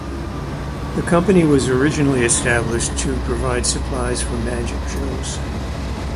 The company was originally established to provide supplies for magic shows.